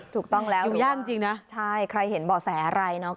ถูกต้องแล้วยากจริงนะใช่ใครเห็นเบาะแสอะไรเนาะ